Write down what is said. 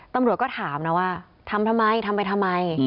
ตำรวจก็ถามนะว่าทำทำไมทำไปทำไม